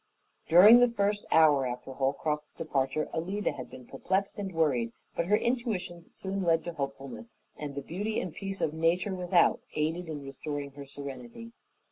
During the first hour after Holcroft's departure Alida had been perplexed and worried, but her intuitions soon led to hopefulness, and the beauty and peace of nature without aided in restoring her serenity.